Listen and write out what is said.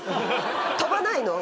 飛ばないの。